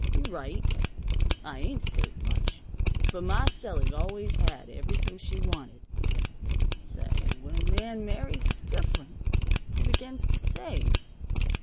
You're right; I ain't saved much. But Ma selig always had everything she wanted. Say, when a man marries it's different. He begins to save."